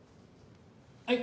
はい。